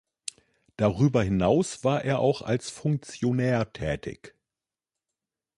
Darüber hinaus war er auch als Funktionär tätig.